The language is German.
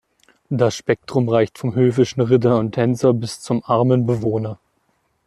Das Spektrum reicht vom höfischen Ritter und Tänzer bis zum armen Bewohner.